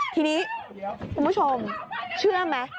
ทีนี้คุณผู้ชมเชื่อไหม